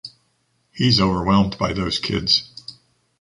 He’s overwhelmed by those kids.